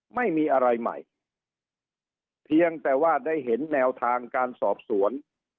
ไม่มีอะไรใหม่เพียงแต่ว่าได้เห็นแนวทางการสอบสวน